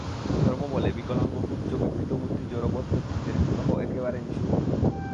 ধর্ম বলে, বিকলাঙ্গ কুব্জ বিকৃতবুদ্ধি জড়বৎ ব্যক্তিদের বিবাহ একেবারে নিষিদ্ধ।